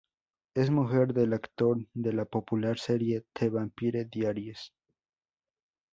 Es mujer del actor de la popular serie The Vampire Diaries.